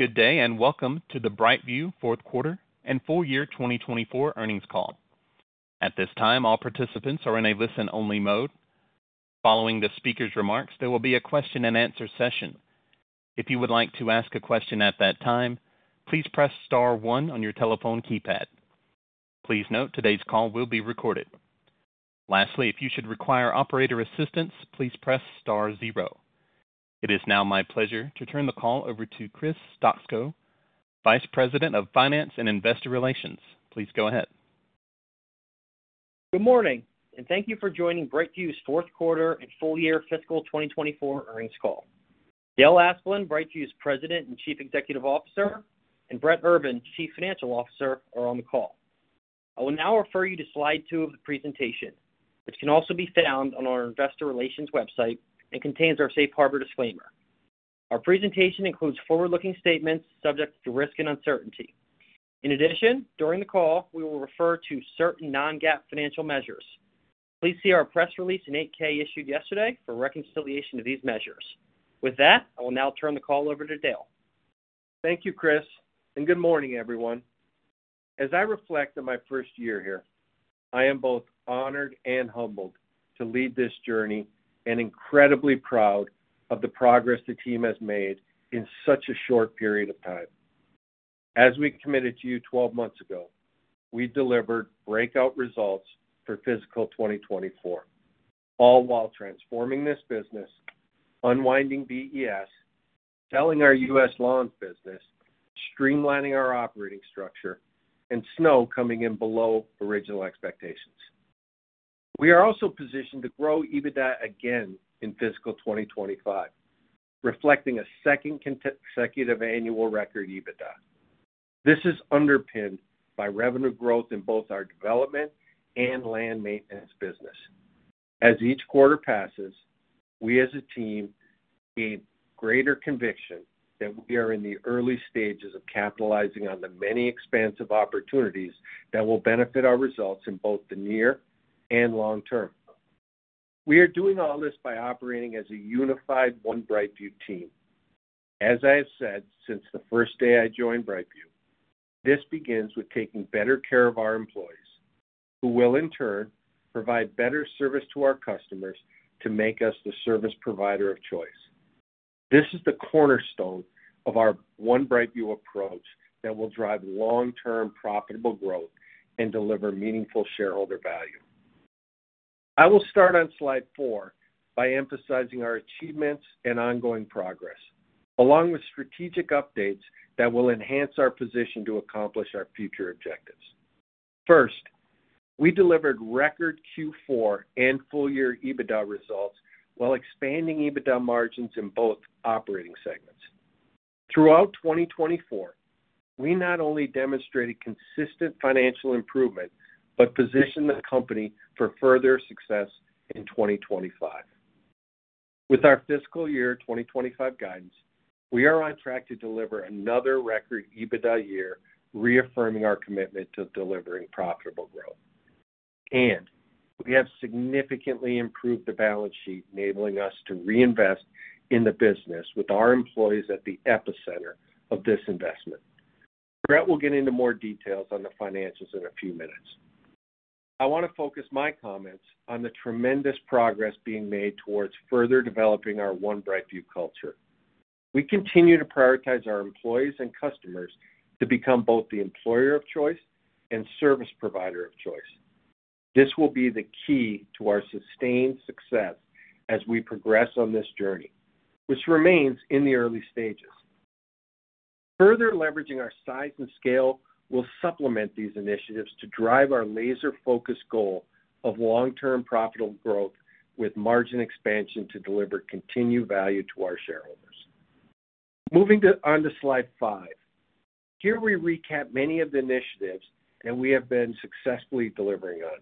Good day and welcome to the BrightView fourth quarter and full year 2024 earnings call. At this time, all participants are in a listen-only mode. Following the speaker's remarks, there will be a question-and-answer session. If you would like to ask a question at that time, please press star one on your telephone keypad. Please note today's call will be recorded. Lastly, if you should require operator assistance, please press star zero. It is now my pleasure to turn the call over to Chris Stoczko, Vice President of Finance and Investor Relations. Please go ahead. Good morning, and thank you for joining BrightView's fourth quarter and full-year fiscal 2024 earnings call. Dale Asplund, BrightView's President and Chief Executive Officer, and Brett Urban, Chief Financial Officer, are on the call. I will now refer you to slide two of the presentation, which can also be found on our Investor Relations website and contains our safe harbor disclaimer. Our presentation includes forward-looking statements subject to risk and uncertainty. In addition, during the call, we will refer to certain non-GAAP financial measures. Please see our press release and 8-K issued yesterday for reconciliation of these measures. With that, I will now turn the call over to Dale. Thank you, Chris, and good morning, everyone. As I reflect on my first year here, I am both honored and humbled to lead this journey and incredibly proud of the progress the team has made in such a short period of time. As we committed to you 12 months ago, we delivered breakout results for fiscal 2024, all while transforming this business, unwinding BES, selling our U.S. Lawns business, streamlining our operating structure, and Snow coming in below original expectations. We are also positioned to grow EBITDA again in fiscal 2025, reflecting a second consecutive annual record EBITDA. This is underpinned by revenue growth in both our Development and Landscape Maintenance business. As each quarter passes, we as a team gain greater conviction that we are in the early stages of capitalizing on the many expansive opportunities that will benefit our results in both the near and long term. We are doing all this by operating as a unified One BrightView team. As I have said since the first day I joined BrightView, this begins with taking better care of our employees, who will in turn provide better service to our customers to make us the service provider of choice. This is the cornerstone of our One BrightView approach that will drive long-term profitable growth and deliver meaningful shareholder value. I will start on slide four by emphasizing our achievements and ongoing progress, along with strategic updates that will enhance our position to accomplish our future objectives. First, we delivered record Q4 and full-year EBITDA results while expanding EBITDA margins in both operating segments. Throughout 2024, we not only demonstrated consistent financial improvement but positioned the company for further success in 2025. With our fiscal year 2025 guidance, we are on track to deliver another record EBITDA year, reaffirming our commitment to delivering profitable growth. We have significantly improved the balance sheet, enabling us to reinvest in the business with our employees at the epicenter of this investment. Brett will get into more details on the financials in a few minutes. I want to focus my comments on the tremendous progress being made towards further developing our One BrightView culture. We continue to prioritize our employees and customers to become both the employer of choice and service provider of choice. This will be the key to our sustained success as we progress on this journey, which remains in the early stages. Further leveraging our size and scale will supplement these initiatives to drive our laser-focused goal of long-term profitable growth with margin expansion to deliver continued value to our shareholders. Moving on to slide five, here we recap many of the initiatives that we have been successfully delivering on,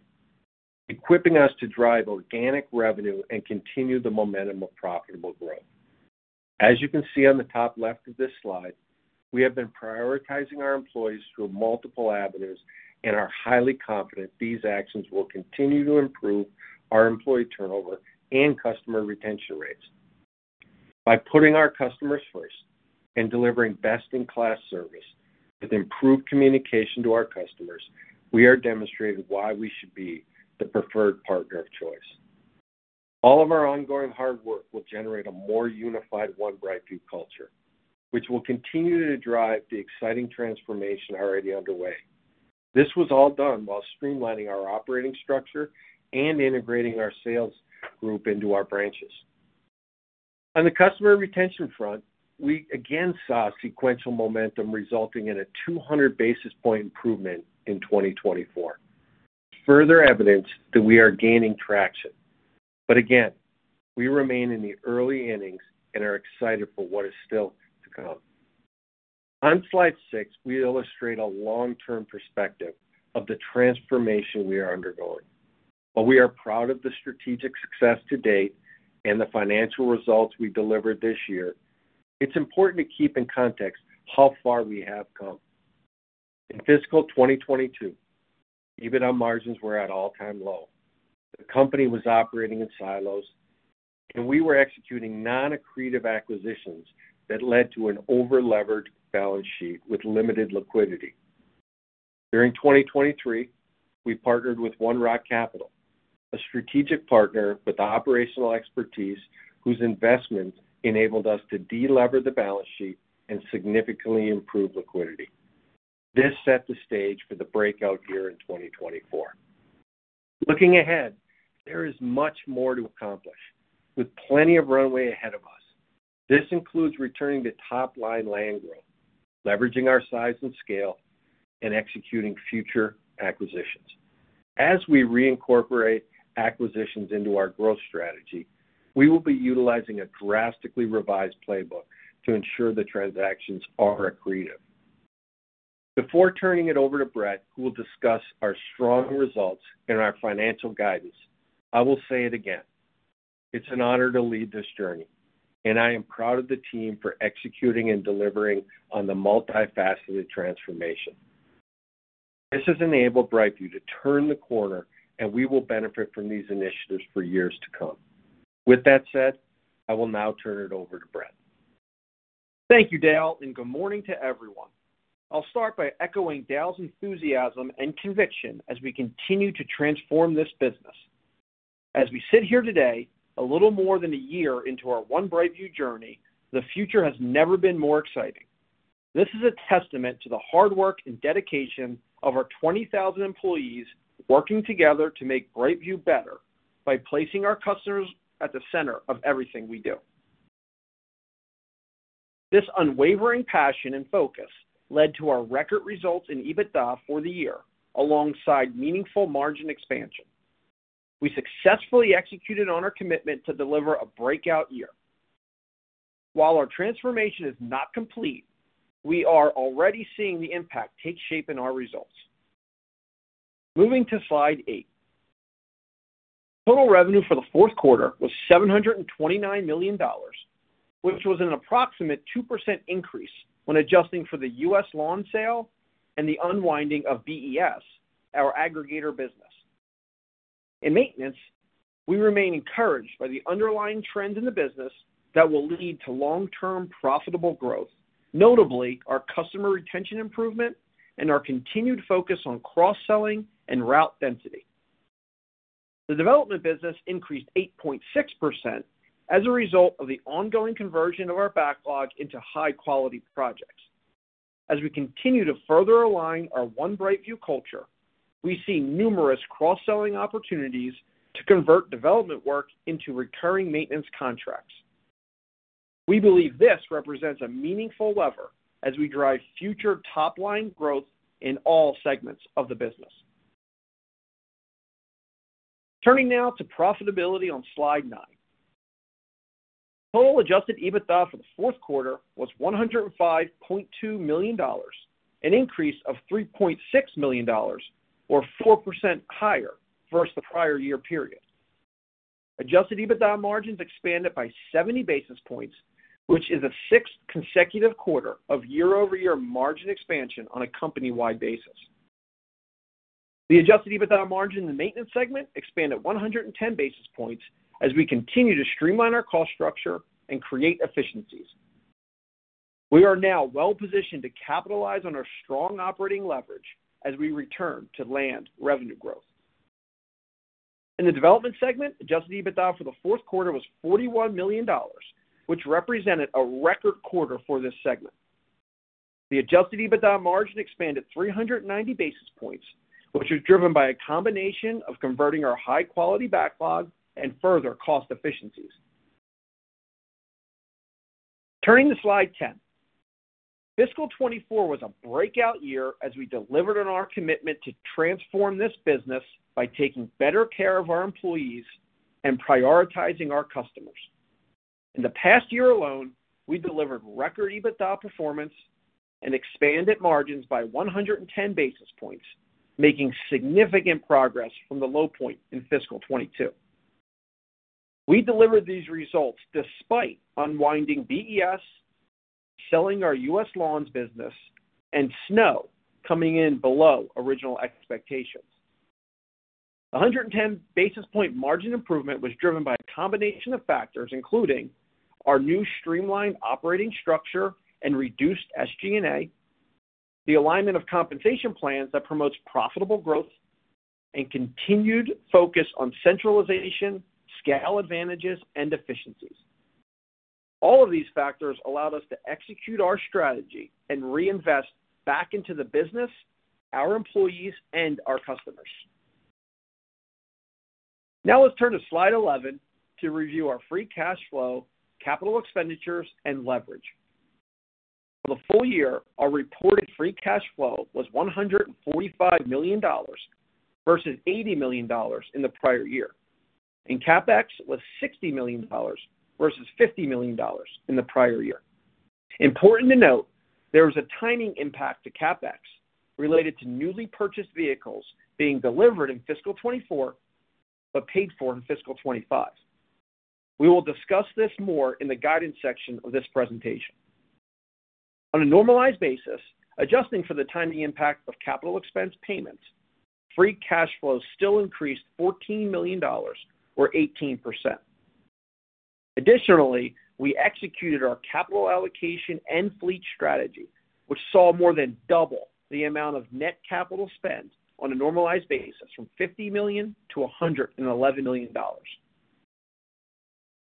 equipping us to drive organic revenue and continue the momentum of profitable growth. As you can see on the top left of this slide, we have been prioritizing our employees through multiple avenues and are highly confident these actions will continue to improve our employee turnover and customer retention rates. By putting our customers first and delivering best-in-class service with improved communication to our customers, we are demonstrating why we should be the preferred partner of choice. All of our ongoing hard work will generate a more unified One BrightView culture, which will continue to drive the exciting transformation already underway. This was all done while streamlining our operating structure and integrating our sales group into our branches. On the customer retention front, we again saw sequential momentum resulting in a 200 basis point improvement in 2024, further evidence that we are gaining traction. But again, we remain in the early innings and are excited for what is still to come. On slide six, we illustrate a long-term perspective of the transformation we are undergoing. While we are proud of the strategic success to date and the financial results we delivered this year, it's important to keep in context how far we have come. In fiscal 2022, EBITDA margins were at all-time low. The company was operating in silos, and we were executing non-accretive acquisitions that led to an over-levered balance sheet with limited liquidity. During 2023, we partnered with One Rock Capital, a strategic partner with operational expertise whose investment enabled us to de-lever the balance sheet and significantly improve liquidity. This set the stage for the breakout year in 2024. Looking ahead, there is much more to accomplish with plenty of runway ahead of us. This includes returning to top-line land growth, leveraging our size and scale, and executing future acquisitions. As we reincorporate acquisitions into our growth strategy, we will be utilizing a drastically revised playbook to ensure the transactions are accretive. Before turning it over to Brett, who will discuss our strong results and our financial guidance, I will say it again. It's an honor to lead this journey, and I am proud of the team for executing and delivering on the multifaceted transformation. This has enabled BrightView to turn the corner, and we will benefit from these initiatives for years to come. With that said, I will now turn it over to Brett. Thank you, Dale, and good morning to everyone. I'll start by echoing Dale's enthusiasm and conviction as we continue to transform this business. As we sit here today, a little more than a year into our One BrightView journey, the future has never been more exciting. This is a testament to the hard work and dedication of our 20,000 employees working together to make BrightView better by placing our customers at the center of everything we do. This unwavering passion and focus led to our record results in EBITDA for the year, alongside meaningful margin expansion. We successfully executed on our commitment to deliver a breakout year. While our transformation is not complete, we are already seeing the impact take shape in our results. Moving to slide eight, total revenue for the fourth quarter was $729 million, which was an approximate 2% increase when adjusting for the U.S. Lawns sale and the unwinding of BES, our aggregator business. In Maintenance, we remain encouraged by the underlying trends in the business that will lead to long-term profitable growth, notably our customer retention improvement and our continued focus on cross-selling and route density. The Development business increased 8.6% as a result of the ongoing conversion of our backlog into high-quality projects. As we continue to further align our One BrightView culture, we see numerous cross-selling opportunities to convert Development work into recurring maintenance contracts. We believe this represents a meaningful lever as we drive future top-line growth in all segments of the business. Turning now to profitability on slide nine, total adjusted EBITDA for the fourth quarter was $105.2 million, an increase of $3.6 million, or 4% higher versus the prior year period. Adjusted EBITDA margins expanded by 70 basis points, which is a sixth consecutive quarter of year-over-year margin expansion on a company-wide basis. The adjusted EBITDA margin in the Maintenance segment expanded 110 basis points as we continue to streamline our cost structure and create efficiencies. We are now well-positioned to capitalize on our strong operating leverage as we return to planned revenue growth. In the Development segment, adjusted EBITDA for the fourth quarter was $41 million, which represented a record quarter for this segment. The adjusted EBITDA margin expanded 390 basis points, which was driven by a combination of converting our high-quality backlog and further cost efficiencies. Turning to slide 10, fiscal 24 was a breakout year as we delivered on our commitment to transform this business by taking better care of our employees and prioritizing our customers. In the past year alone, we delivered record EBITDA performance and expanded margins by 110 basis points, making significant progress from the low point in fiscal 2022. We delivered these results despite unwinding BES, selling our U.S. Lawns business, and Snow coming in below original expectations. The 110 basis point margin improvement was driven by a combination of factors, including our new streamlined operating structure and reduced SG&A, the alignment of compensation plans that promotes profitable growth, and continued focus on centralization, scale advantages, and efficiencies. All of these factors allowed us to execute our strategy and reinvest back into the business, our employees, and our customers. Now let's turn to slide 11 to review our free cash flow, capital expenditures, and leverage. For the full year, our reported free cash flow was $145 million versus $80 million in the prior year, and CapEx was $60 million versus $50 million in the prior year. Important to note, there was a timing impact to CapEx related to newly purchased vehicles being delivered in fiscal 2024 but paid for in fiscal 2025. We will discuss this more in the guidance section of this presentation. On a normalized basis, adjusting for the timing impact of capital expense payments, free cash flow still increased $14 million, or 18%. Additionally, we executed our capital allocation and fleet strategy, which saw more than double the amount of net capital spent on a normalized basis from $50 million to $111 million.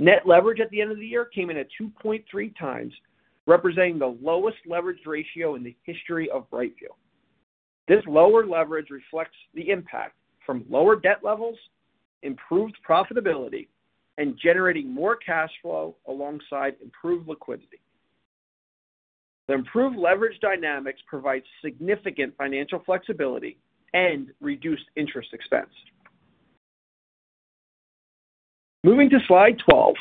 Net leverage at the end of the year came in at 2.3x, representing the lowest leverage ratio in the history of BrightView. This lower leverage reflects the impact from lower debt levels, improved profitability, and generating more cash flow alongside improved liquidity. The improved leverage dynamics provide significant financial flexibility and reduced interest expense. Moving to slide 12,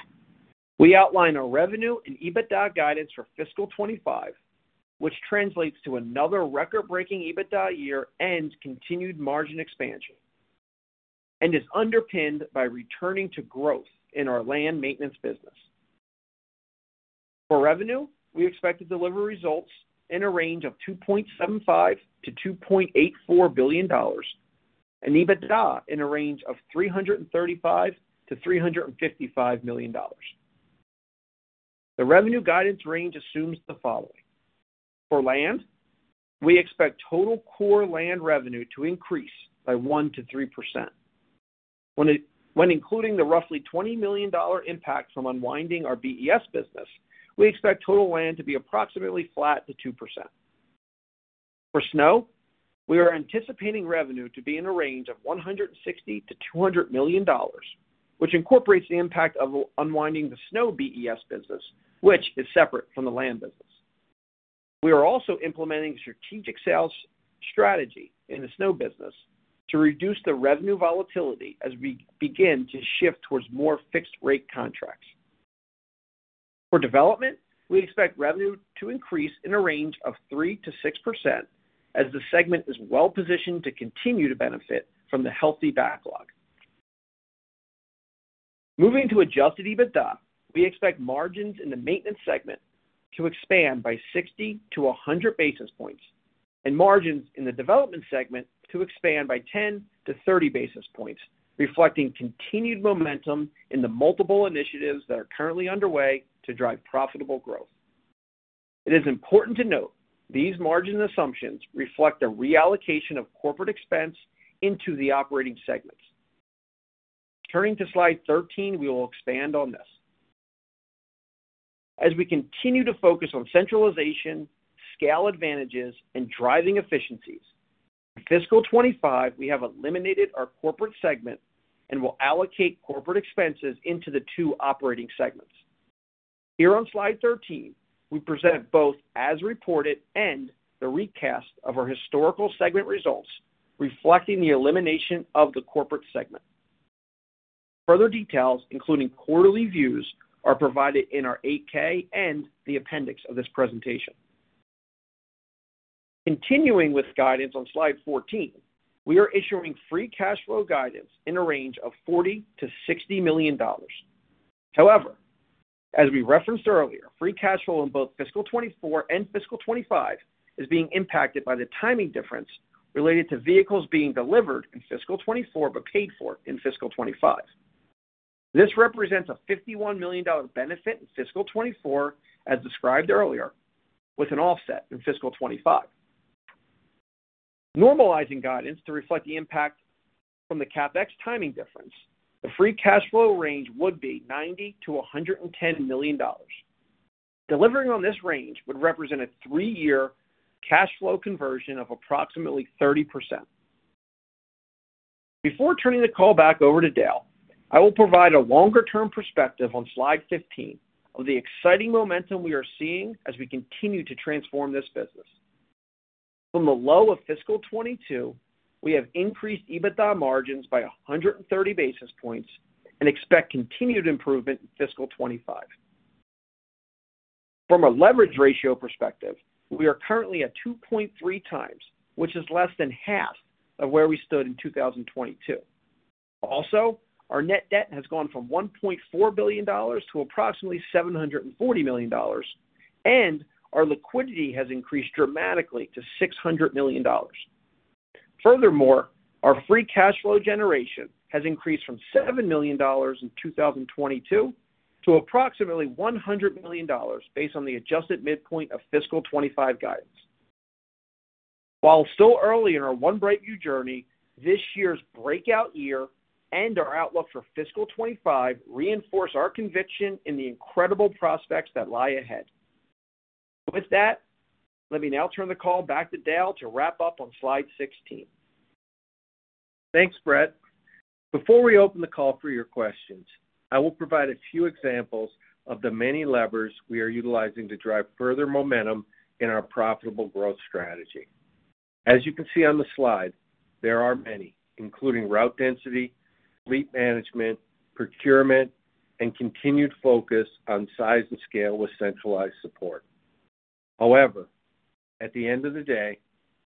we outline our revenue and EBITDA guidance for fiscal 2025, which translates to another record-breaking EBITDA year and continued margin expansion, and is underpinned by returning to growth in our Landscape Maintenance business. For revenue, we expect to deliver results in a range of $2.75 billion-$2.84 billion and EBITDA in a range of $335 million-$355 million. The revenue guidance range assumes the following. For Land, we expect total core land revenue to increase by 1%-3%. When including the roughly $20 million impact from unwinding our BES business, we expect total Land to be approximately flat to 2%. For Snow, we are anticipating revenue to be in a range of $160 million-$200 million, which incorporates the impact of unwinding the Snow BES business, which is separate from the Landscape business. We are also implementing a strategic sales strategy in the Snow business to reduce the revenue volatility as we begin to shift towards more fixed-rate contracts. For Development, we expect revenue to increase in a range of 3%-6% as the segment is well-positioned to continue to benefit from the healthy backlog. Moving to adjusted EBITDA, we expect margins in the Maintenance segment to expand by 60-100 basis points and margins in the Development segment to expand by 10-30 basis points, reflecting continued momentum in the multiple initiatives that are currently underway to drive profitable growth. It is important to note these margin assumptions reflect a reallocation of corporate expense into the operating segments. Turning to slide 13, we will expand on this. As we continue to focus on centralization, scale advantages, and driving efficiencies, in fiscal 2025, we have eliminated our corporate segment and will allocate corporate expenses into the two operating segments. Here on slide 13, we present both as reported and the recast of our historical segment results reflecting the elimination of the corporate segment. Further details, including quarterly views, are provided in our 8-K and the appendix of this presentation. Continuing with guidance on slide 14, we are issuing free cash flow guidance in a range of $40 million-$60 million. However, as we referenced earlier, free cash flow in both fiscal 2024 and fiscal 2025 is being impacted by the timing difference related to vehicles being delivered in fiscal 2024 but paid for in fiscal 2025. This represents a $51 million benefit in fiscal 2024, as described earlier, with an offset in fiscal 2025. Normalizing guidance to reflect the impact from the CapEx timing difference, the free cash flow range would be $90 million-$110 million. Delivering on this range would represent a three-year cash flow conversion of approximately 30%. Before turning the call back over to Dale, I will provide a longer-term perspective on slide 15 of the exciting momentum we are seeing as we continue to transform this business. From the low of fiscal 2022, we have increased EBITDA margins by 130 basis points and expect continued improvement in fiscal 2025. From a leverage ratio perspective, we are currently at 2.3x, which is less than half of where we stood in 2022. Also, our net debt has gone from $1.4 billion to approximately $740 million, and our liquidity has increased dramatically to $600 million. Furthermore, our free cash flow generation has increased from $7 million in 2022 to approximately $100 million based on the adjusted midpoint of fiscal 2025 guidance. While still early in our One BrightView journey, this year's breakout year and our outlook for fiscal 2025 reinforce our conviction in the incredible prospects that lie ahead. With that, let me now turn the call back to Dale to wrap up on slide 16. Thanks, Brett. Before we open the call for your questions, I will provide a few examples of the many levers we are utilizing to drive further momentum in our profitable growth strategy. As you can see on the slide, there are many, including route density, fleet management, procurement, and continued focus on size and scale with centralized support. However, at the end of the day,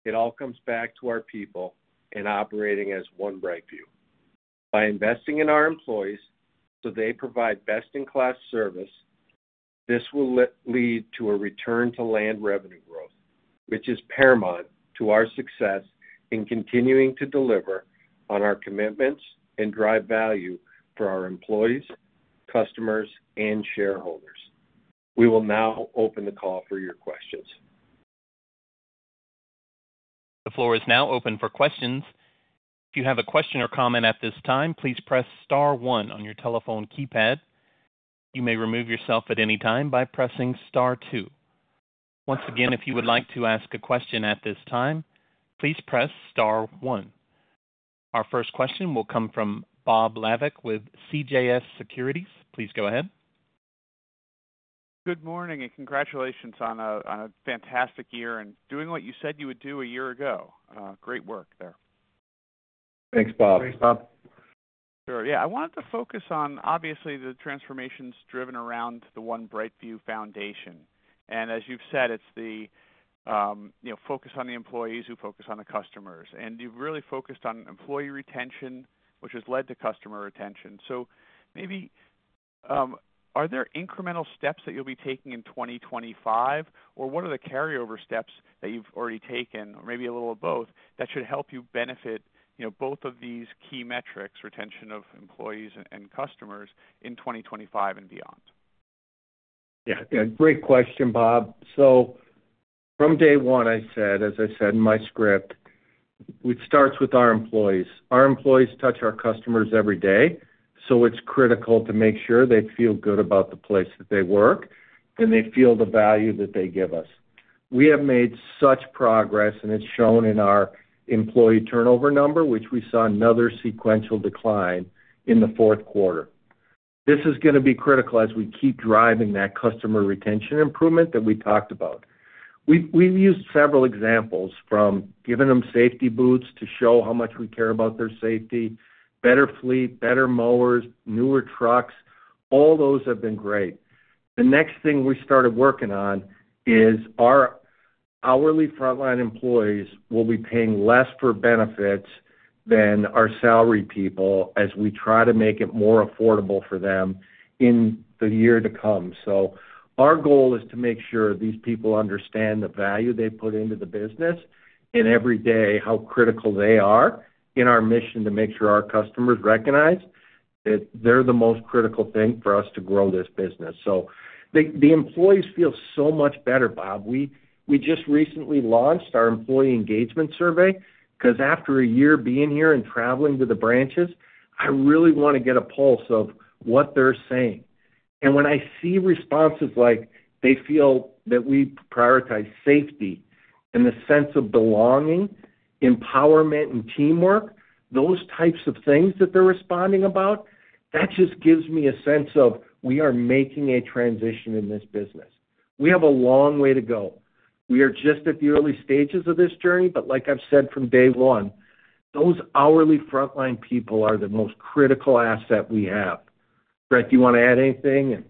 it all comes back to our people and operating as One BrightView. By investing in our employees so they provide best-in-class service, this will lead to a return to Land revenue growth, which is paramount to our success in continuing to deliver on our commitments and drive value for our employees, customers, and shareholders. We will now open the call for your questions. The floor is now open for questions. If you have a question or comment at this time, please press star one on your telephone keypad. You may remove yourself at any time by pressing star two. Once again, if you would like to ask a question at this time, please press star one. Our first question will come from Bob Labick with CJS Securities. Please go ahead. Good morning and congratulations on a fantastic year and doing what you said you would do a year ago. Great work there. Thanks, Bob. Sure. Yeah. I wanted to focus on, obviously, the transformations driven around the One BrightView Foundation. And as you've said, it's the focus on the employees who focus on the customers. And you've really focused on employee retention, which has led to customer retention. So maybe, are there incremental steps that you'll be taking in 2025, or what are the carryover steps that you've already taken, or maybe a little of both, that should help you benefit both of these key metrics, retention of employees and customers in 2025 and beyond? Yeah. Great question, Bob. So from day one, I said, as I said in my script, it starts with our employees. Our employees touch our customers every day, so it's critical to make sure they feel good about the place that they work and they feel the value that they give us. We have made such progress, and it's shown in our employee turnover number, which we saw another sequential decline in the fourth quarter. This is going to be critical as we keep driving that customer retention improvement that we talked about. We've used several examples from giving them safety boots to show how much we care about their safety, better fleet, better mowers, newer trucks. All those have been great. The next thing we started working on is our hourly frontline employees will be paying less for benefits than our salary people as we try to make it more affordable for them in the year to come. So our goal is to make sure these people understand the value they put into the business and every day how critical they are in our mission to make sure our customers recognize that they're the most critical thing for us to grow this business. So the employees feel so much better, Bob. We just recently launched our employee engagement survey because after a year being here and traveling to the branches, I really want to get a pulse of what they're saying. When I see responses like they feel that we prioritize safety and the sense of belonging, empowerment, and teamwork, those types of things that they're responding about, that just gives me a sense of we are making a transition in this business. We have a long way to go. We are just at the early stages of this journey, but like I've said from day one, those hourly frontline people are the most critical asset we have. Brett, do you want to add anything?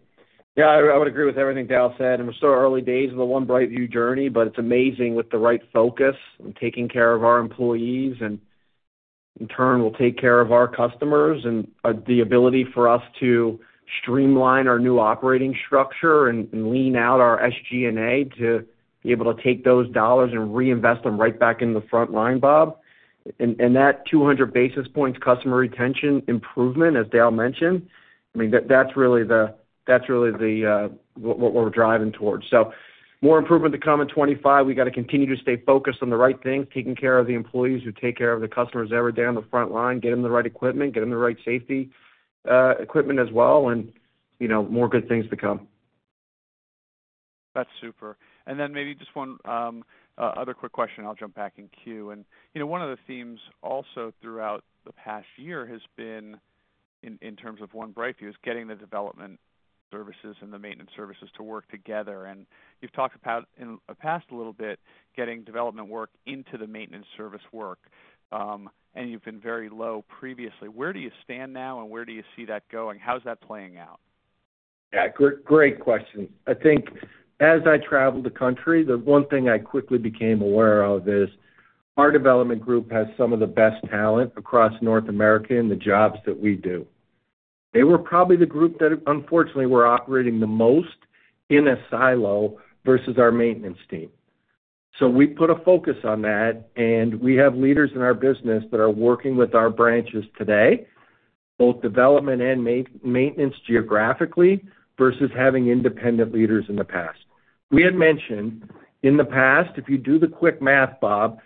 Yeah. I would agree with everything Dale said, and we're still early days of the One BrightView journey, but it's amazing with the right focus and taking care of our employees and in turn will take care of our customers and the ability for us to streamline our new operating structure and lean out our SG&A to be able to take those dollars and reinvest them right back in the frontline, Bob. And that 200 basis points customer retention improvement, as Dale mentioned, I mean, that's really what we're driving towards, so more improvement to come in 2025. We got to continue to stay focused on the right things, taking care of the employees who take care of the customers every day on the frontline, getting them the right equipment, getting them the right safety equipment as well, and more good things to come. That's super. Then maybe just one other quick question. I'll jump back in queue. One of the themes also throughout the past year has been, in terms of One BrightView, is getting the Development services and the Maintenance services to work together. You've talked about in the past a little bit getting development work into the maintenance service work, and you've been very low previously. Where do you stand now, and where do you see that going? How's that playing out? Yeah. Great question. I think as I travel the country, the one thing I quickly became aware of is our Development group has some of the best talent across North America in the jobs that we do. They were probably the group that, unfortunately, we're operating the most in a silo versus our Maintenance team. So we put a focus on that, and we have leaders in our business that are working with our branches today, both Development and Maintenance geographically versus having independent leaders in the past. We had mentioned in the past, if you do the quick math, Bob,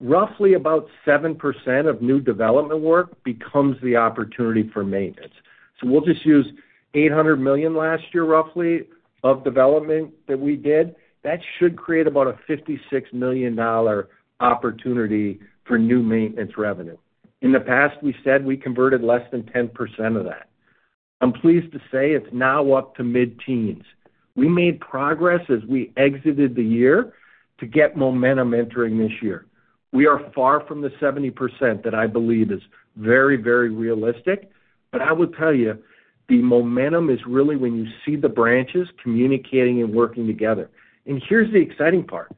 roughly about 7% of new development work becomes the opportunity for maintenance. So we'll just use $800 million last year roughly of development that we did. That should create about a $56 million opportunity for new Maintenance revenue. In the past, we said we converted less than 10% of that. I'm pleased to say it's now up to mid-teens. We made progress as we exited the year to get momentum entering this year. We are far from the 70% that I believe is very, very realistic. But I will tell you, the momentum is really when you see the branches communicating and working together. And here's the exciting part.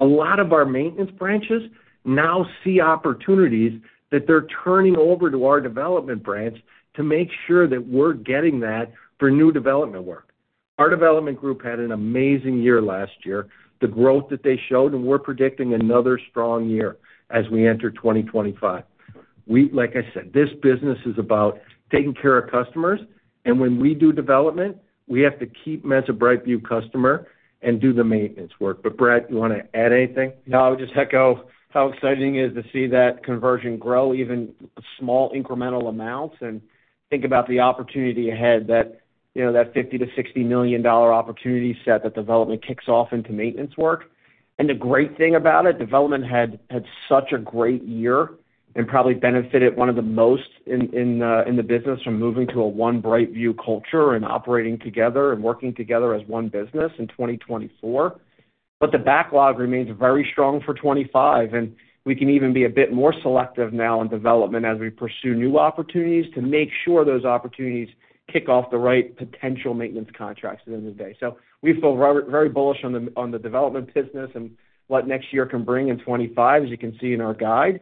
A lot of our Maintenance branches now see opportunities that they're turning over to our Development branch to make sure that we're getting that for new development work. Our Development group had an amazing year last year, the growth that they showed, and we're predicting another strong year as we enter 2025. Like I said, this business is about taking care of customers. When we do development, we have to keep them as a BrightView customer and do the maintenance work. But Brett, do you want to add anything? No, I would just echo how exciting it is to see that conversion grow, even small incremental amounts, and think about the opportunity ahead, that $50 million-$60 million opportunity set that Development kicks off into Maintenance work, and the great thing about it, Development had such a great year and probably benefited one of the most in the business from moving to a One BrightView culture and operating together and working together as one business in 2024, but the backlog remains very strong for 2025, and we can even be a bit more selective now in Development as we pursue new opportunities to make sure those opportunities kick off the right potential maintenance contracts at the end of the day, so we feel very bullish on the Development business and what next year can bring in 2025, as you can see in our guide.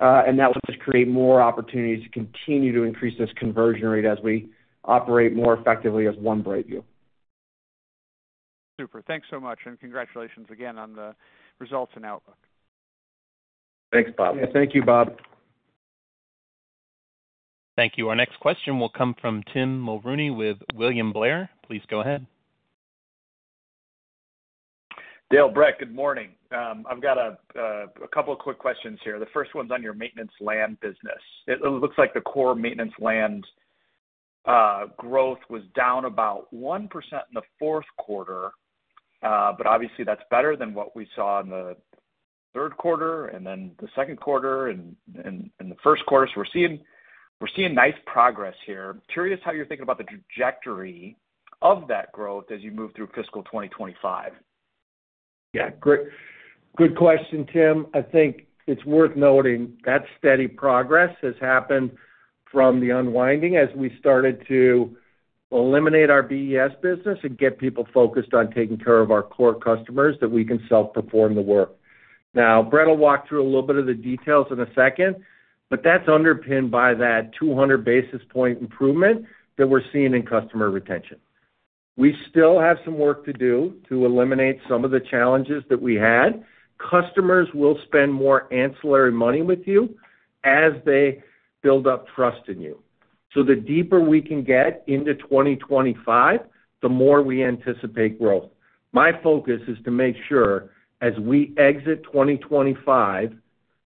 And that will just create more opportunities to continue to increase this conversion rate as we operate more effectively as One BrightView. Super. Thanks so much. And congratulations again on the results and outlook. Thanks, Bob. Yeah. Thank you, Bob. Thank you. Our next question will come from Tim Mulrooney with William Blair. Please go ahead. Dale, Brett, good morning. I've got a couple of quick questions here. The first one's on your Maintenance Landscape business. It looks like the core Maintenance Landscape growth was down about 1% in the fourth quarter, but obviously, that's better than what we saw in the third quarter and then the second quarter and the first quarter. So we're seeing nice progress here. Curious how you're thinking about the trajectory of that growth as you move through fiscal 2025? Yeah. Good question, Tim. I think it's worth noting that steady progress has happened from the unwinding as we started to eliminate our BES business and get people focused on taking care of our core customers that we can self-perform the work. Now, Brett will walk through a little bit of the details in a second, but that's underpinned by that 200 basis point improvement that we're seeing in customer retention. We still have some work to do to eliminate some of the challenges that we had. Customers will spend more ancillary money with you as they build up trust in you. So the deeper we can get into 2025, the more we anticipate growth. My focus is to make sure as we exit 2025,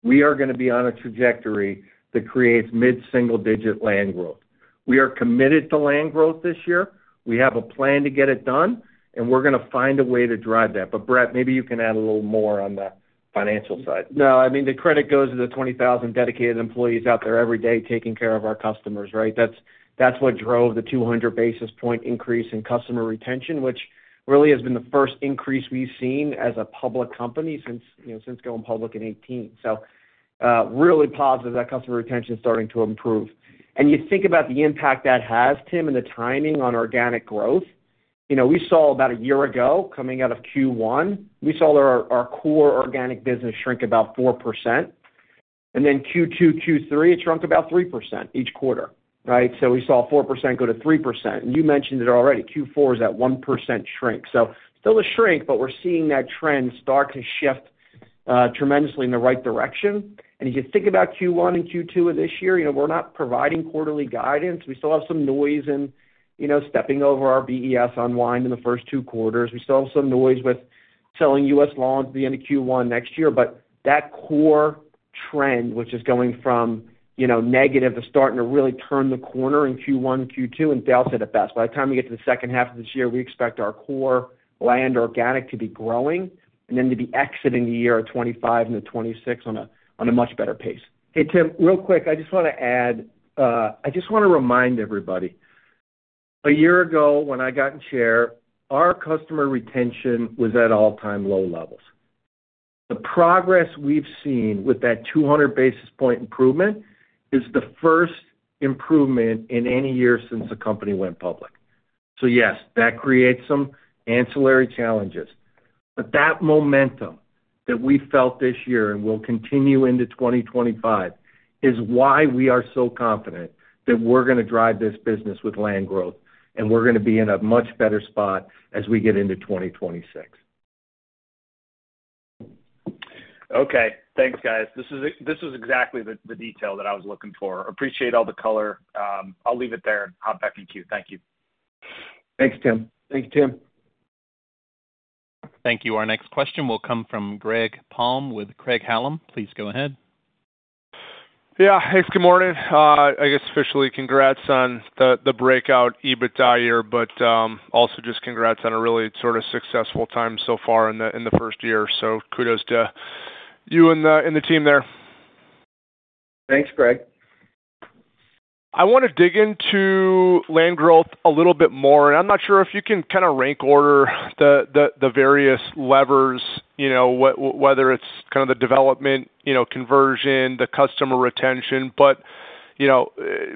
we are going to be on a trajectory that creates mid-single-digit Land growth. We are committed to Land growth this year. We have a plan to get it done, and we're going to find a way to drive that. But Brett, maybe you can add a little more on the financial side. No. I mean, the credit goes to the 20,000 dedicated employees out there every day taking care of our customers, right? That's what drove the 200 basis point increase in customer retention, which really has been the first increase we've seen as a public company since going public in 2018. So really positive that customer retention is starting to improve. And you think about the impact that has, Tim, and the timing on organic growth. We saw about a year ago coming out of Q1, we saw our core organic business shrink about 4%. And then Q2, Q3, it shrunk about 3% each quarter, right? So we saw 4% go to 3%. And you mentioned it already. Q4 is that 1% shrink. So still a shrink, but we're seeing that trend start to shift tremendously in the right direction. And if you think about Q1 and Q2 of this year, we're not providing quarterly guidance. We still have some noise in stepping over our BES unwind in the first two quarters. We still have some noise with selling U.S. Lawns at the end of Q1 next year. But that core trend, which is going from negative to starting to really turn the corner in Q1, Q2, and Dale said it best. By the time we get to the second half of this year, we expect our core landscape organic to be growing and then to be exiting the year of 2025 and 2026 on a much better pace. Hey, Tim, real quick, I just want to add, I just want to remind everybody, a year ago when I got in chair, our customer retention was at all-time low levels. The progress we've seen with that 200 basis point improvement is the first improvement in any year since the company went public. So yes, that creates some ancillary challenges. But that momentum that we felt this year and will continue into 2025 is why we are so confident that we're going to drive this business with Land growth, and we're going to be in a much better spot as we get into 2026. Okay. Thanks, guys. This is exactly the detail that I was looking for. Appreciate all the color. I'll leave it there and hop back in queue. Thank you. Thanks, Tim. Thank you, Tim. Thank you. Our next question will come from Greg Palm with Craig-Hallum. Please go ahead. Yeah. Hey, good morning. I guess officially congrats on the breakout EBITDA year, but also just congrats on a really sort of successful time so far in the first year, so kudos to you and the team there. Thanks, Greg. I want to dig into Landscape growth a little bit more, and I'm not sure if you can kind of rank order the various levers, whether it's kind of the development, conversion, the customer retention, but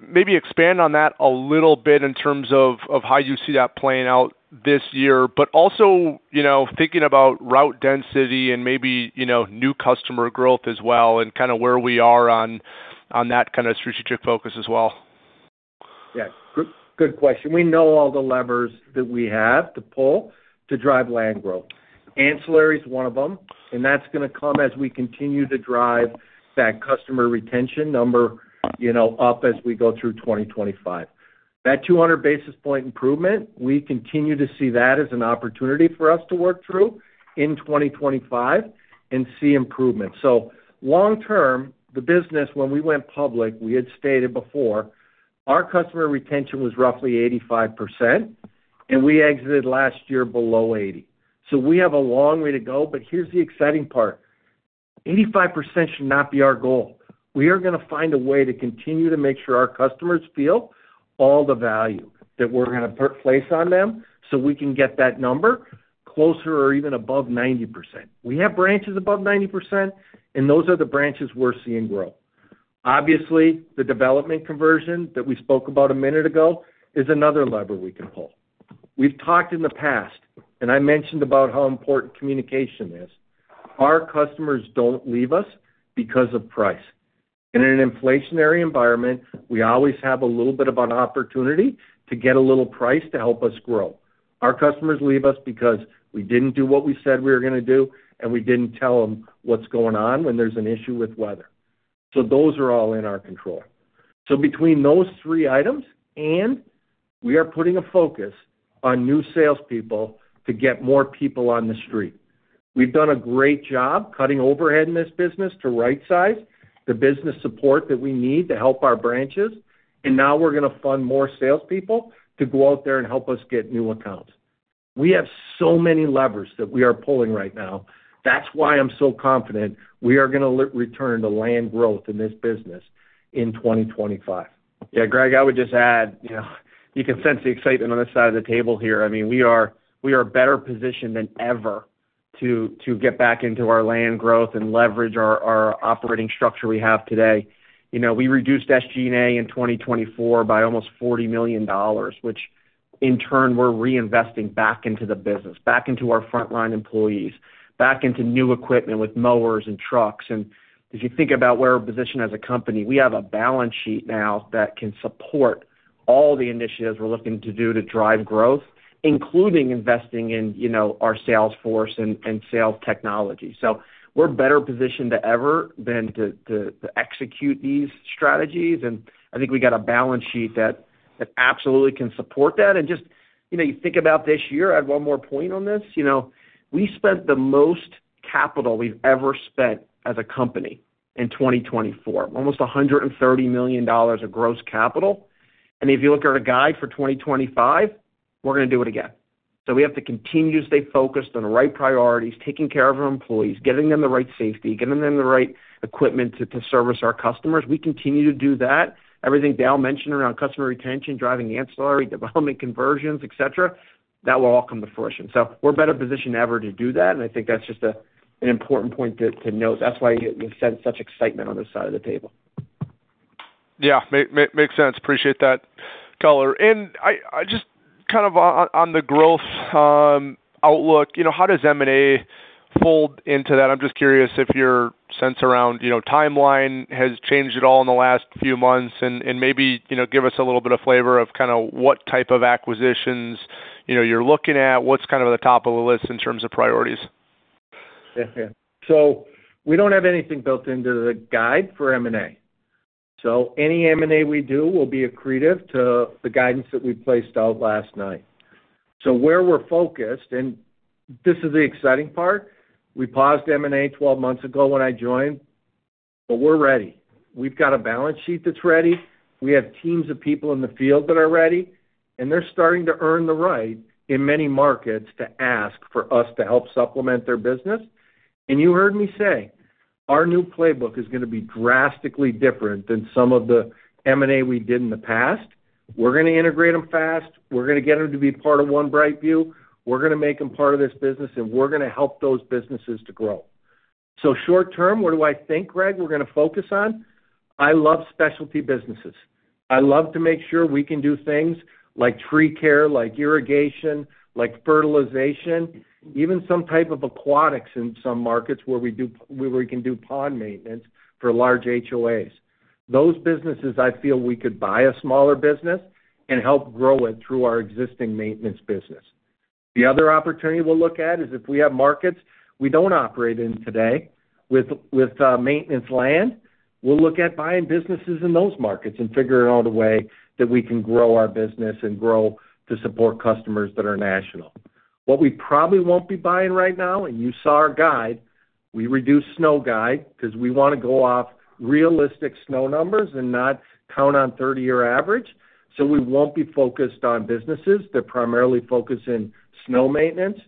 maybe expand on that a little bit in terms of how you see that playing out this year, but also thinking about route density and maybe new customer growth as well and kind of where we are on that kind of strategic focus as well. Yeah. Good question. We know all the levers that we have to pull to drive Land growth. Ancillary is one of them, and that's going to come as we continue to drive that customer retention number up as we go through 2025. That 200 basis point improvement, we continue to see that as an opportunity for us to work through in 2025 and see improvement. So long term, the business, when we went public, we had stated before our customer retention was roughly 85%, and we exited last year below 80%. So we have a long way to go, but here's the exciting part. 85% should not be our goal. We are going to find a way to continue to make sure our customers feel all the value that we're going to place on them so we can get that number closer or even above 90%. We have branches above 90%, and those are the branches we're seeing grow. Obviously, the development conversion that we spoke about a minute ago is another lever we can pull. We've talked in the past, and I mentioned about how important communication is. Our customers don't leave us because of price. In an inflationary environment, we always have a little bit of an opportunity to get a little price to help us grow. Our customers leave us because we didn't do what we said we were going to do, and we didn't tell them what's going on when there's an issue with weather. So those are all in our control. So between those three items, and we are putting a focus on new salespeople to get more people on the street. We've done a great job cutting overhead in this business to right-size the business support that we need to help our branches. And now we're going to fund more salespeople to go out there and help us get new accounts. We have so many levers that we are pulling right now. That's why I'm so confident we are going to return to landscape growth in this business in 2025. Yeah, Greg, I would just add, you can sense the excitement on this side of the table here. I mean, we are better positioned than ever to get back into our landscape growth and leverage our operating structure we have today. We reduced SG&A in 2024 by almost $40 million, which in turn, we're reinvesting back into the business, back into our frontline employees, back into new equipment with mowers and trucks. And if you think about where we're positioned as a company, we have a balance sheet now that can support all the initiatives we're looking to do to drive growth, including investing in our sales force and sales technology. So we're better positioned than ever to execute these strategies. And I think we got a balance sheet that absolutely can support that. And just as you think about this year, I have one more point on this. We spent the most capital we've ever spent as a company in 2024, almost $130 million of gross capital, and if you look at our guide for 2025, we're going to do it again. So we have to continue to stay focused on the right priorities, taking care of our employees, getting them the right safety, getting them the right equipment to service our customers. We continue to do that. Everything Dale mentioned around customer retention, driving ancillary, development conversions, etc., that will all come to fruition, so we're better positioned than ever to do that, and I think that's just an important point to note. That's why you sense such excitement on this side of the table. Yeah. Makes sense. Appreciate that color, and just kind of on the growth outlook, how does M&A fold into that? I'm just curious if your sense around timeline has changed at all in the last few months and maybe give us a little bit of flavor of kind of what type of acquisitions you're looking at, what's kind of at the top of the list in terms of priorities. Yeah. So we don't have anything built into the guide for M&A. So any M&A we do will be accretive to the guidance that we placed out last night. So where we're focused, and this is the exciting part, we paused M&A 12 months ago when I joined, but we're ready. We've got a balance sheet that's ready. We have teams of people in the field that are ready, and they're starting to earn the right in many markets to ask for us to help supplement their business. And you heard me say our new playbook is going to be drastically different than some of the M&A we did in the past. We're going to integrate them fast. We're going to get them to be part of One BrightView. We're going to make them part of this business, and we're going to help those businesses to grow. Short term, what do I think, Greg, we're going to focus on? I love specialty businesses. I love to make sure we can do things like tree care, like irrigation, like fertilization, even some type of aquatics in some markets where we can do pond maintenance for large HOAs. Those businesses, I feel we could buy a smaller business and help grow it through our existing Maintenance business. The other opportunity we'll look at is if we have markets we don't operate in today in the Maintenance landscape, we'll look at buying businesses in those markets and figuring out a way that we can grow our business and grow to support customers that are national. What we probably won't be buying right now, and you saw our guide, we reduced Snow guidance because we want to go off realistic Snow numbers and not count on 30-year average. So we won't be focused on businesses that primarily focus in snow maintenance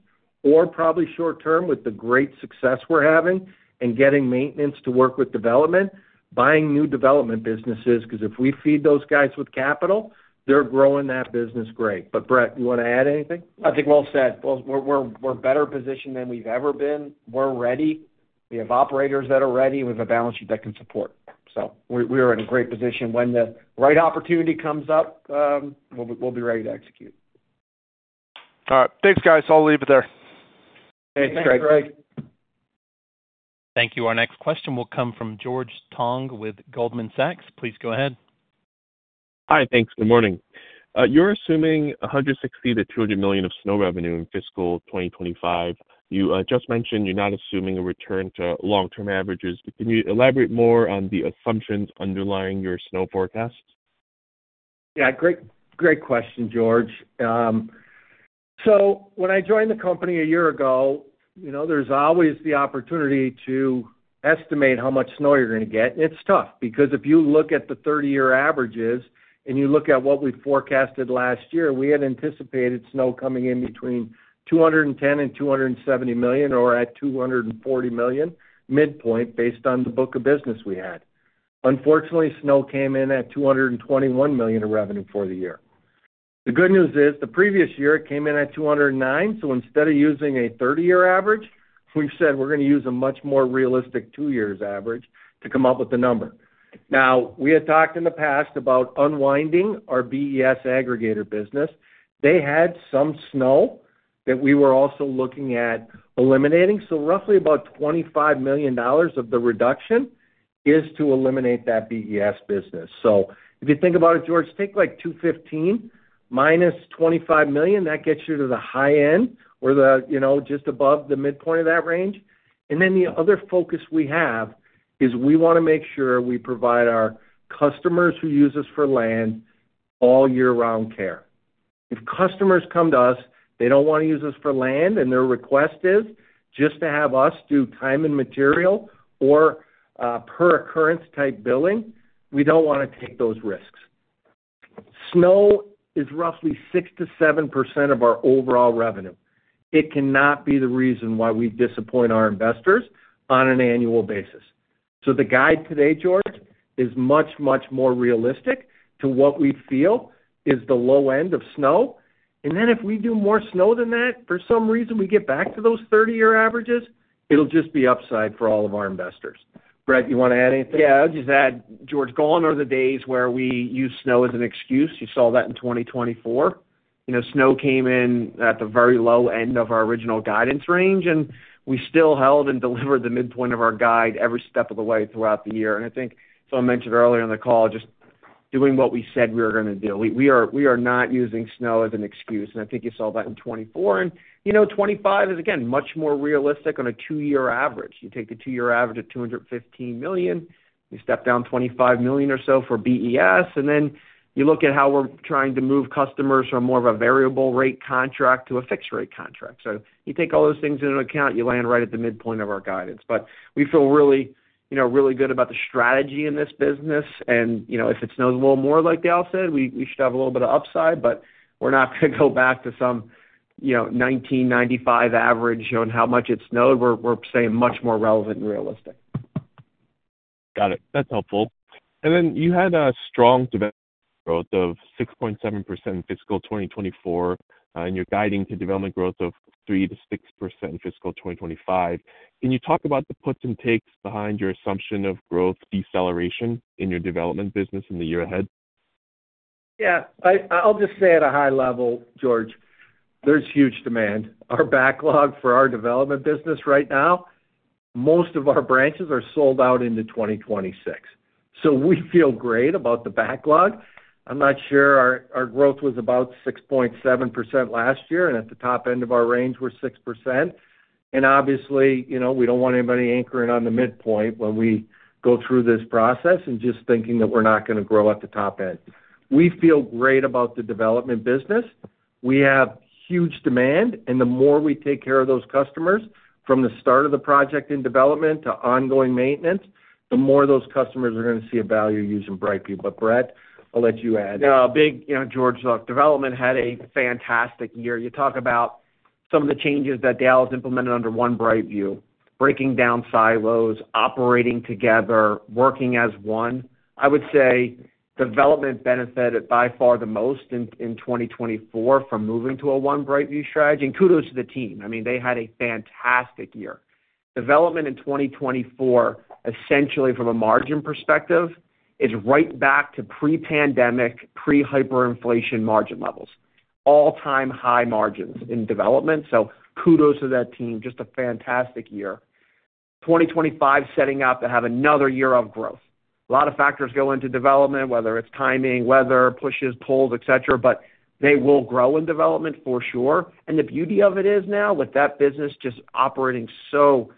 or probably short term with the great success we're having and getting Maintenance to work with Development, buying new Development businesses because if we feed those guys with capital, they're growing that business great. But Brett, you want to add anything? I think well said. We're better positioned than we've ever been. We're ready. We have operators that are ready. We have a balance sheet that can support. So we are in a great position. When the right opportunity comes up, we'll be ready to execute. All right. Thanks, guys. I'll leave it there. Thanks, Greg. Thanks, Greg. Thank you. Our next question will come from George Tong with Goldman Sachs. Please go ahead. Hi. Thanks. Good morning. You're assuming $160 million-$200 million of Snow revenue in fiscal 2025. You just mentioned you're not assuming a return to long-term averages. Can you elaborate more on the assumptions underlying your Snow forecast? Yeah. Great question, George. So when I joined the company a year ago, there's always the opportunity to estimate how much Snow you're going to get. And it's tough because if you look at the 30-year averages and you look at what we forecasted last year, we had anticipated Snow coming in between $210 million and $270 million or at $240 million midpoint based on the book of business we had. Unfortunately, Snow came in at $221 million of revenue for the year. The good news is the previous year it came in at $209 million. So instead of using a 30-year average, we've said we're going to use a much more realistic two-year average to come up with the number. Now, we had talked in the past about unwinding our BES aggregator business. They had some snow that we were also looking at eliminating. So roughly about $25 million of the reduction is to eliminate that BES business. So if you think about it, George, take like $215 million minus $25 million, that gets you to the high end or just above the midpoint of that range. And then the other focus we have is we want to make sure we provide our customers who use us for landscape all year-round care. If customers come to us, they don't want to use us for landscape, and their request is just to have us do time and material or per-occurrence type billing. We don't want to take those risks. Snow is roughly 6%-7% of our overall revenue. It cannot be the reason why we disappoint our investors on an annual basis. So the guide today, George, is much, much more realistic to what we feel is the low end of Snow. And then if we do more Snow than that, for some reason, we get back to those 30-year averages, it'll just be upside for all of our investors. Brett, you want to add anything? Yeah. I'll just add, George, gone are the days where we use Snow as an excuse. You saw that in 2024. Snow came in at the very low end of our original guidance range, and we still held and delivered the midpoint of our guide every step of the way throughout the year. And I think, as I mentioned earlier in the call, just doing what we said we were going to do. We are not using Snow as an excuse. And I think you saw that in 2024. And 2025 is, again, much more realistic on a two-year average. You take the two-year average of $215 million. You step down $25 million or so for BES. And then you look at how we're trying to move customers from more of a variable rate contract to a fixed rate contract. So you take all those things into account, you land right at the midpoint of our guidance. But we feel really good about the strategy in this business. And if it snows a little more, like Dale said, we should have a little bit of upside, but we're not going to go back to some 1995 average on how much it snowed. We're saying much more relevant and realistic. Got it. That's helpful. And then you had a strong development growth of 6.7% in fiscal 2024, and you're guiding to development growth of 3%-6% in fiscal 2025. Can you talk about the puts and takes behind your assumption of growth deceleration in your Development business in the year ahead? Yeah. I'll just say at a high level, George, there's huge demand. Our backlog for our Development business right now, most of our branches are sold out into 2026. So we feel great about the backlog. I'm not sure. Our growth was about 6.7% last year, and at the top end of our range, we're 6%. And obviously, we don't want anybody anchoring on the midpoint when we go through this process and just thinking that we're not going to grow at the top end. We feel great about the Development business. We have huge demand. And the more we take care of those customers from the start of the project in development to ongoing maintenance, the more those customers are going to see a value using BrightView. But Brett, I'll let you add. Yeah. George, look, Development had a fantastic year. You talk about some of the changes that Dale has implemented under One BrightView, breaking down silos, operating together, working as one. I would say Development benefited by far the most in 2024 from moving to a One BrightView strategy. And kudos to the team. I mean, they had a fantastic year. Development in 2024, essentially from a margin perspective, is right back to pre-pandemic, pre-hyperinflation margin levels, all-time high margins in Development. So kudos to that team. Just a fantastic year. 2025 setting up to have another year of growth. A lot of factors go into Development, whether it's timing, weather, pushes, pulls, etc., but they will grow in Development for sure. The beauty of it is now, with that business just operating so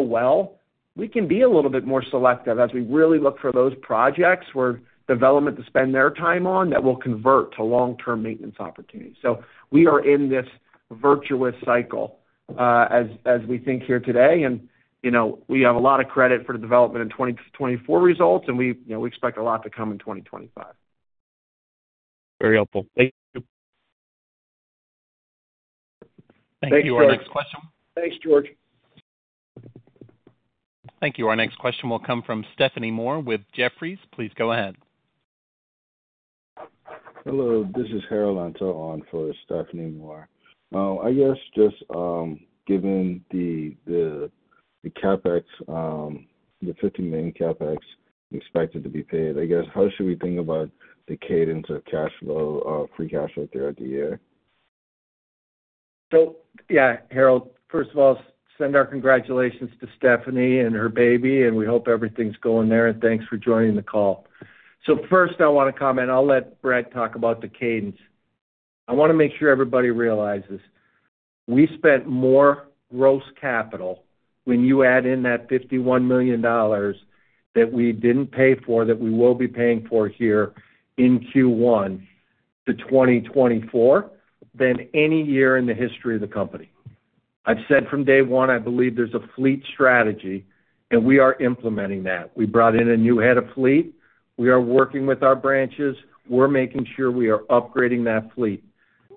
well, we can be a little bit more selective as we really look for those projects where Development can spend their time on that will convert to long-term maintenance opportunities. We are in this virtuous cycle as we think here today. We give a lot of credit to the Development for the 2024 results, and we expect a lot to come in 2025. Very helpful. Thank you. Thank you. Our next question. Thanks, George. Thank you. Our next question will come from Stephanie Moore with Jefferies. Please go ahead. Hello. This is Harold Antor for Stephanie Moore. I guess just given the $50 million CapEx expected to be paid, I guess, how should we think about the cadence of free cash flow throughout the year? So yeah, Harold, first of all, send our congratulations to Stephanie and her baby, and we hope everything's going there. And thanks for joining the call. So first, I want to comment. I'll let Brett talk about the cadence. I want to make sure everybody realizes we spent more gross capital when you add in that $51 million that we didn't pay for that we will be paying for here in Q1 to 2024 than any year in the history of the company. I've said from day one, I believe there's a fleet strategy, and we are implementing that. We brought in a new head of fleet. We are working with our branches. We're making sure we are upgrading that fleet.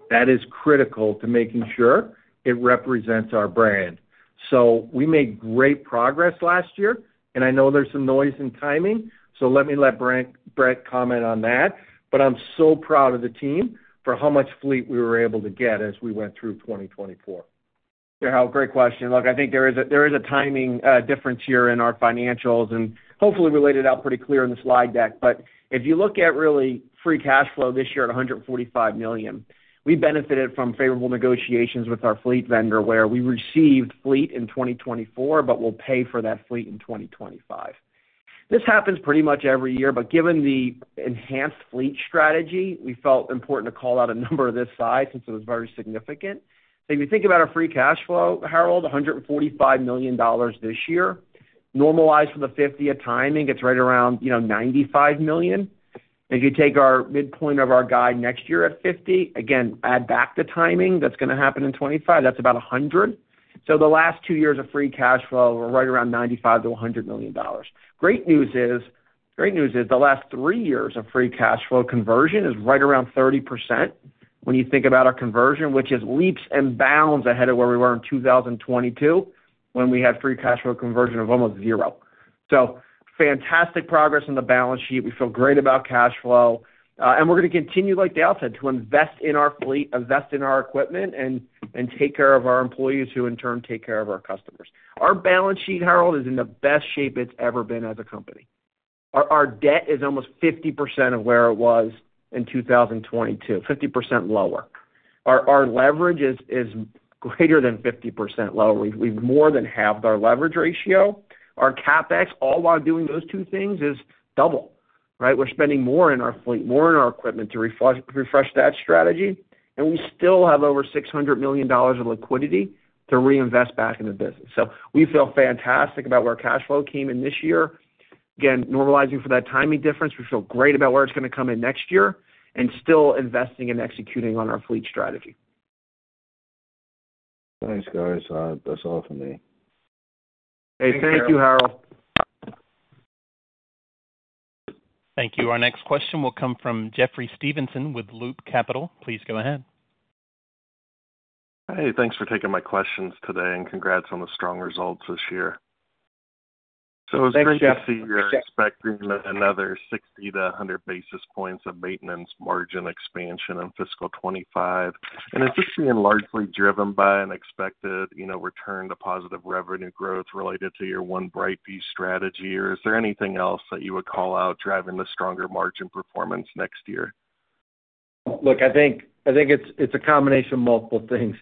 That is critical to making sure it represents our brand. So we made great progress last year, and I know there's some noise in timing. So let me let Brett comment on that. But I'm so proud of the team for how much fleet we were able to get as we went through 2024. Harold, great question. Look, I think there is a timing difference here in our financials and hopefully laid out pretty clear in the slide deck. But if you look at our free cash flow this year at $145 million, we benefited from favorable negotiations with our fleet vendor where we received fleet in 2024, but we'll pay for that fleet in 2025. This happens pretty much every year. But given the enhanced fleet strategy, we felt it important to call out a number of this size since it was very significant. So if you think about our Free Cash Flow, Harold, $145 million this year, normalized for the $50 million timing, it's right around $95 million. If you take our midpoint of our guide next year at $50 million, again, add back the timing that's going to happen in 2025, that's about $100 million. The last two years of free cash flow were right around $95 million-$100 million. Great news is the last three years of free cash flow conversion is right around 30% when you think about our conversion, which has leaps and bounds ahead of where we were in 2022 when we had free cash flow conversion of almost zero. Fantastic progress on the balance sheet. We feel great about cash flow. We're going to continue, like Dale said, to invest in our fleet, invest in our equipment, and take care of our employees who in turn take care of our customers. Our balance sheet, Harold, is in the best shape it's ever been as a company. Our debt is almost 50% of where it was in 2022, 50% lower. Our leverage is greater than 50% lower. We've more than halved our leverage ratio. Our CapEx, all while doing those two things, is double, right? We're spending more in our fleet, more in our equipment to refresh that strategy. And we still have over $600 million of liquidity to reinvest back in the business. So we feel fantastic about where cash flow came in this year. Again, normalizing for that timing difference, we feel great about where it's going to come in next year and still investing and executing on our fleet strategy. Thanks, guys. That's all for me. Hey, thank you, Harold. Thank you. Our next question will come from Jeffrey Stevenson with Loop Capital. Please go ahead. Hey, thanks for taking my questions today and congrats on the strong results this year, so it was great to see you're expecting another 60-100 basis points of Maintenance margin expansion in fiscal 2025, and is this being largely driven by an expected return to positive revenue growth related to your One BrightView strategy, or is there anything else that you would call out driving the stronger margin performance next year? Look, I think it's a combination of multiple things.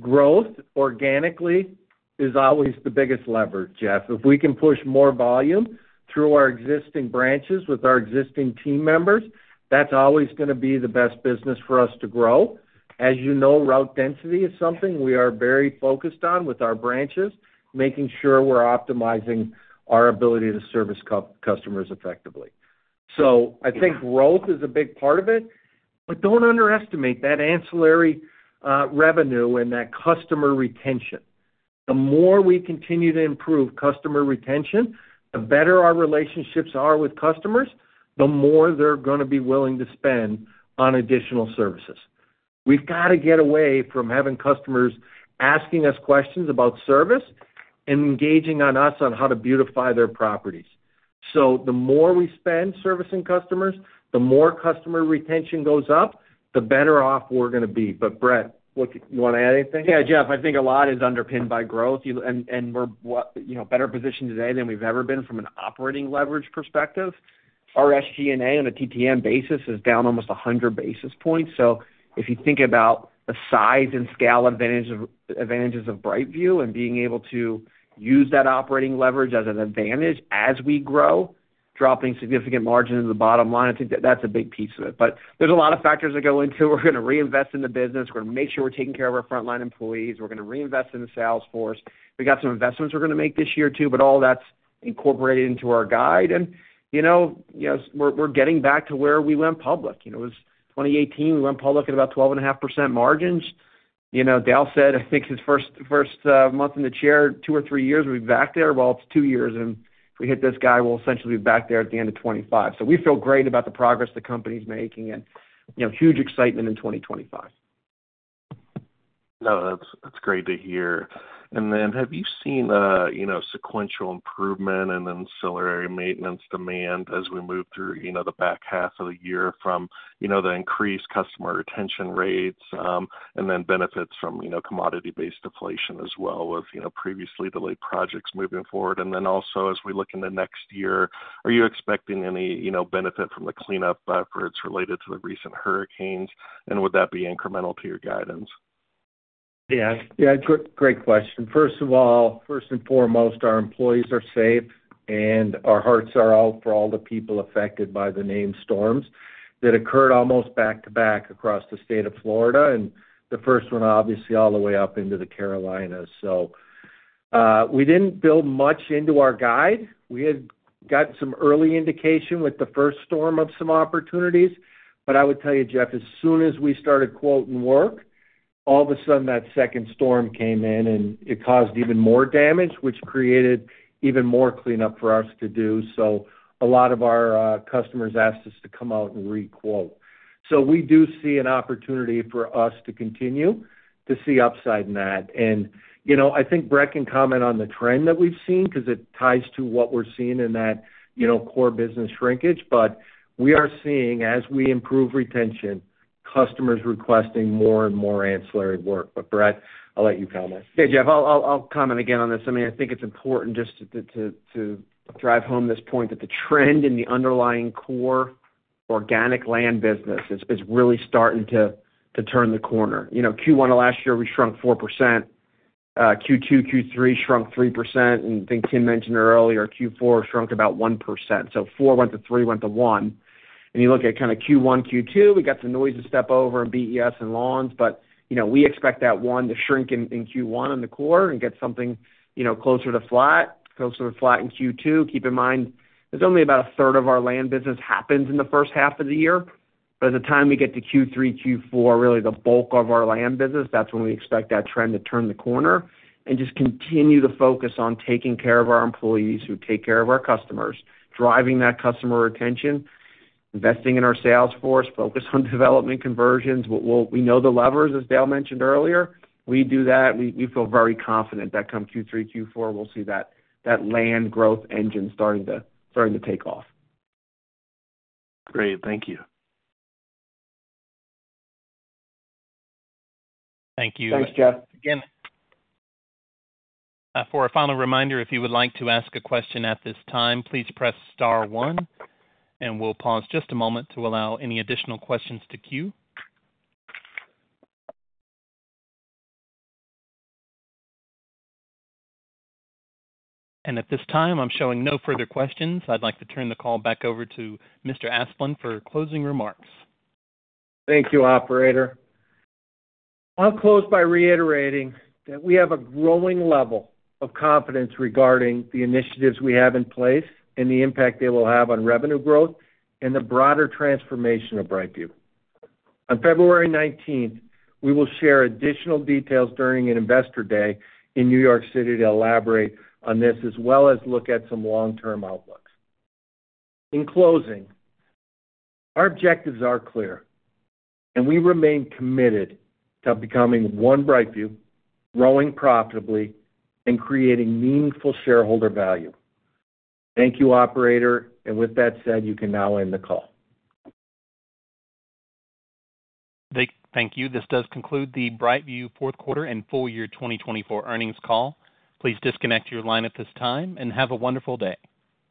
Growth organically is always the biggest lever, Jeff. If we can push more volume through our existing branches with our existing team members, that's always going to be the best business for us to grow. As you know, route density is something we are very focused on with our branches, making sure we're optimizing our ability to service customers effectively. So I think growth is a big part of it. But don't underestimate that ancillary revenue and that customer retention. The more we continue to improve customer retention, the better our relationships are with customers, the more they're going to be willing to spend on additional services. We've got to get away from having customers asking us questions about service and engaging on us on how to beautify their properties. So the more we spend servicing customers, the more customer retention goes up, the better off we're going to be. But Brett, you want to add anything? Yeah, Jeff, I think a lot is underpinned by growth. And we're better positioned today than we've ever been from an operating leverage perspective. Our SG&A on a TTM basis is down almost 100 basis points. So if you think about the size and scale advantages of BrightView and being able to use that operating leverage as an advantage as we grow, dropping significant margin in the bottom line, I think that that's a big piece of it. But there's a lot of factors that go into it. We're going to reinvest in the business. We're going to make sure we're taking care of our frontline employees. We're going to reinvest in the sales force. We've got some investments we're going to make this year too, but all that's incorporated into our guide. And we're getting back to where we went public. It was 2018. We went public at about 12.5% margins. Dale said, I think his first month in the chair, two or three years, we'll be back there. Well, it's two years. And if we hit this guy, we'll essentially be back there at the end of 2025. So we feel great about the progress the company's making and huge excitement in 2025. No, that's great to hear. And then have you seen sequential improvement in ancillary maintenance demand as we move through the back half of the year from the increased customer retention rates and then benefits from commodity-based deflation as well with previously delayed projects moving forward? And then also, as we look into next year, are you expecting any benefit from the cleanup efforts related to the recent hurricanes? And would that be incremental to your guidance? Yeah. Yeah, great question. First of all, first and foremost, our employees are safe, and our hearts are out for all the people affected by the named storms that occurred almost back to back across the state of Florida, and the first one, obviously, all the way up into the Carolinas. So we didn't build much into our guide. We had gotten some early indication with the first storm of some opportunities. But I would tell you, Jeff, as soon as we started quoting work, all of a sudden, that second storm came in, and it caused even more damage, which created even more cleanup for us to do. So a lot of our customers asked us to come out and re-quote. So we do see an opportunity for us to continue to see upside in that. And I think Brett can comment on the trend that we've seen because it ties to what we're seeing in that core business shrinkage. But we are seeing, as we improve retention, customers requesting more and more ancillary work. But Brett, I'll let you comment. Yeah, Jeff, I'll comment again on this. I mean, I think it's important just to drive home this point that the trend in the underlying core organic Land business is really starting to turn the corner. Q1 of last year, we shrunk 4%. Q2, Q3 shrunk 3%. And I think Tim mentioned earlier, Q4 shrunk about 1%. So four went to three, went to one. And you look at kind of Q1, Q2, we got some noise to step over in BES and Lawns. But we expect that one to shrink in Q1 in the core and get something closer to flat, closer to flat in Q2. Keep in mind, there's only about a third of our Land business that happens in the first half of the year. But at the time we get to Q3, Q4, really the bulk of our Land business, that's when we expect that trend to turn the corner and just continue to focus on taking care of our employees who take care of our customers, driving that customer retention, investing in our sales force, focus on Development conversions. We know the levers, as Dale mentioned earlier. We do that. We feel very confident that come Q3, Q4, we'll see that Land growth engine starting to take off. Great. Thank you. Thank you. Thanks, Jeff. Again, for a final reminder, if you would like to ask a question at this time, please press star one. And we'll pause just a moment to allow any additional questions to queue. And at this time, I'm showing no further questions. I'd like to turn the call back over to Mr. Asplund for closing remarks. Thank you, Operator. I'll close by reiterating that we have a growing level of confidence regarding the initiatives we have in place and the impact they will have on revenue growth and the broader transformation of BrightView. On February 19th, we will share additional details during an investor day in New York City to elaborate on this, as well as look at some long-term outlooks. In closing, our objectives are clear, and we remain committed to becoming One BrightView, growing profitably, and creating meaningful shareholder value. Thank you, Operator, and with that said, you can now end the call. Thank you. This does conclude the BrightView fourth quarter and full year 2024 earnings call. Please disconnect your line at this time and have a wonderful day.